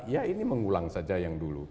ya ini mengulang saja yang dulu